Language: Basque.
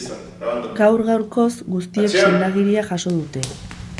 Gaur gaurkoz, guztiek sendagiria jaso dute.